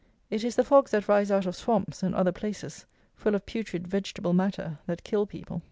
It is the fogs that rise out of swamps, and other places, full of putrid vegetable matter, that kill people.